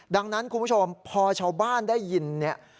ดังนั้นคุณผู้ชมพอชาวบ้านได้ยินเนี่ย